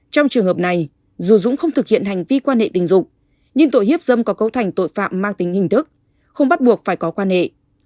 trong trường hợp này dù dũng không thực hiện hành vi quan hệ tình dục nhưng tội hiếp dâm có cấu thành tội phạm mang tính hình thức không bắt buộc phải có quan hệ